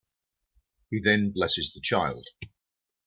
He then blesses the child.